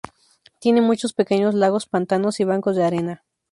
Tiene muchos pequeños lagos, pantanos y bancos de arena.